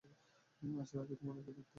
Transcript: আজ রাতে তোমাদেরকে দেখতে চাই।